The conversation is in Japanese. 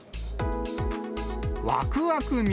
わくわくみ